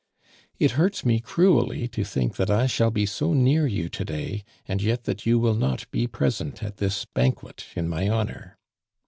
It hurts me cruelly to think that I shall be so near you to day, and yet that you will not be present at this banquet in my honor.